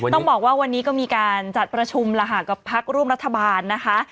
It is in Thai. ต้องบอกว่าวันนี้ก็มีการจัดประชุมกับพักร่วมรัฐบาลนะคะ